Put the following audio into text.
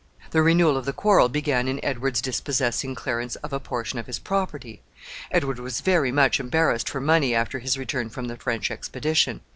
The renewal of the quarrel began in Edward's dispossessing Clarence of a portion of his property. Edward was very much embarrassed for money after his return from the French expedition.